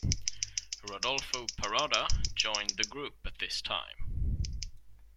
Rodolfo Parada joined the group at this time.